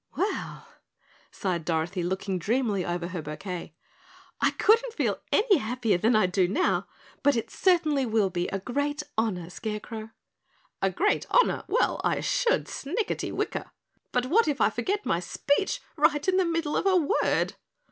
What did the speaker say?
"Well," sighed Dorothy, looking dreamily over her bouquet, "I couldn't feel any happier than I do now, but it certainly will be a great honor, Scarecrow." "A great honor! Well, I should snickerty wicker. But what if I forget my speech right in the middle of a word!"